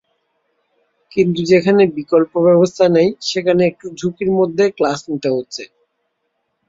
কিন্তু যেখানে বিকল্পব্যবস্থা নেই, সেখানে একটু ঝুঁকির মধ্যেই ক্লাস নিতে হচ্ছে।